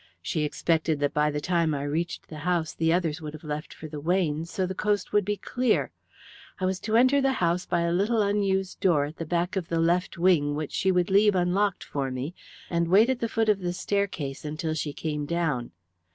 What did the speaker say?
She expected that by the time I reached the house the others would have left for the Weynes, so the coast would be clear. I was to enter the house by a little unused door at the back of the left wing which she would leave unlocked for me, and wait at the foot of the staircase until she came down.